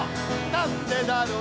なんでだろう